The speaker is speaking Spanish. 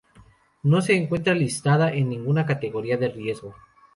No se encuentra listada en ninguna categoría de riesgo.